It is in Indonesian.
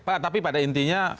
pak tapi pada intinya